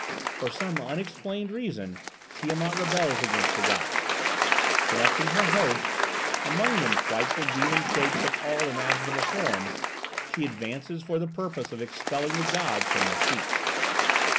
For some unexplained reason Tiamat rebels against the gods. Collecting her hosts, among them frightful demon shapes of all imaginable forms, she advances for the purpose of expelling the gods from their seats.